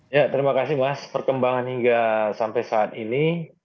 ya terima kasih mas perkembangan hingga sampai saat ini